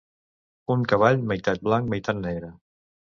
Un cavall meitat blanc, meitat negre.